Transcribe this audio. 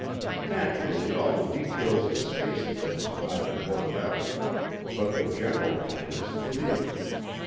Naturally, all the details of space plans have not been worked out, but the general plan is clear.